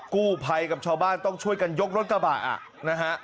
กู้ภัยกับชาวบ้านต้องช่วยกันยกรถกระบะนะฮะ